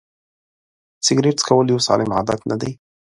سیګرېټ څکول یو سالم عادت نه دی.